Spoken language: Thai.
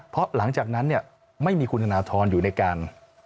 เพราะหลังจากนั้นเนี่ยไม่มีคุณธนทรอยู่ในการ